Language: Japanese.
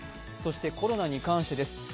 そしてコロナに関してです。